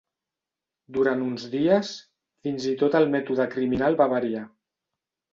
Durant uns dies, fins i tot el mètode criminal va variar.